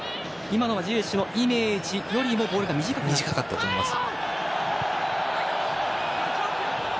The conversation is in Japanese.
今のはジエシュのイメージより短かったと思います。